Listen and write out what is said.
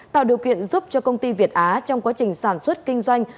tạo điều kiện giúp cho công ty việt á trong quá trình sản xuất kinh doanh